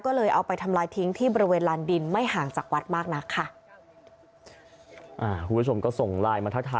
ก็เลยเอาไปทำลายทิ้งที่บริเวณลานดินไม่ห่างจากวัดมากนักค่ะ